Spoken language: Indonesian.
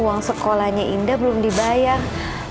uang sekolahnya indah belum dibayar